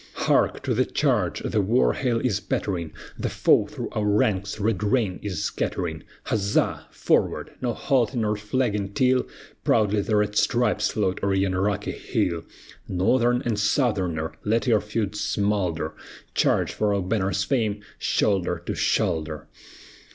Hark! to the charge! the war hail is pattering, The foe through our ranks red rain is scattering; Huzza! forward! no halting or flagging till Proudly the red stripes float o'er yon rocky hill. Northern and Southerner, let your feuds smolder; Charge! for our banner's fame, shoulder to shoulder!